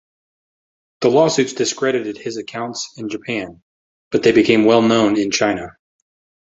The lawsuits discredited his accounts in Japan, but they became well known in China.